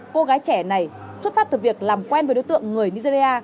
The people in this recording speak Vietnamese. cô gái trẻ này xuất phát từ việc làm quen với đối tượng người nigeria